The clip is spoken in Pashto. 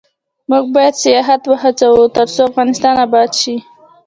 موږ باید سیاحت هڅوو ، ترڅو افغانستان اباد شي.